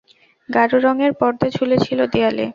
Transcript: গাঢ় রঙের পরদা ঝুলছিল দেয়ালে।